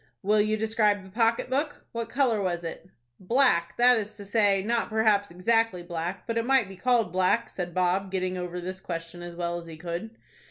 "Will you describe the pocket book? What color was it?" "Black, that is to say, not perhaps exactly black, but it might be called black," said Bob, getting over this question as well as he could.